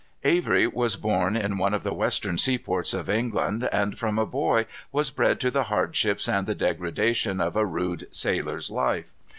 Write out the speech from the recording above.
Avery was born in one of the western seaports of England, and from a boy was bred to the hardships and the degradation of a rude sailor's life.